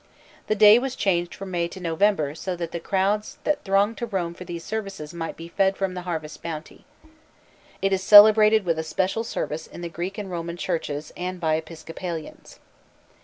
The day was changed from May to November so that the crowds that thronged to Rome for the services might be fed from the harvest bounty. It is celebrated with a special service in the Greek and Roman churches and by Episcopalians.